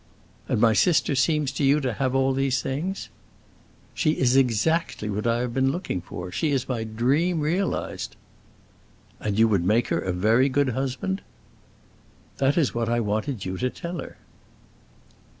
"And my sister seems to you to have all these things?" "She is exactly what I have been looking for. She is my dream realized." "And you would make her a very good husband?" "That is what I wanted you to tell her."